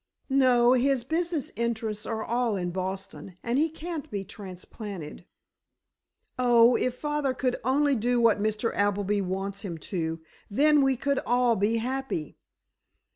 "No; his business interests are all in Boston, and he can't be transplanted. Oh, if father could only do what Mr. Appleby wants him to, then we could all be happy."